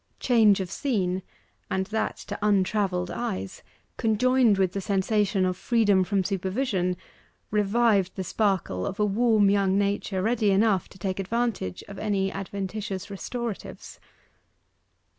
Change of scene and that to untravelled eyes conjoined with the sensation of freedom from supervision, revived the sparkle of a warm young nature ready enough to take advantage of any adventitious restoratives.